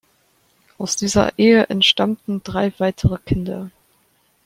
Aus dieser Ehe entstammten drei weitere Kinder.